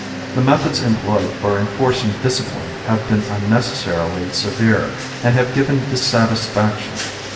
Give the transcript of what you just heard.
The methods employed for enforcing discipline have been unnecessarily severe and have given dissatisfaction.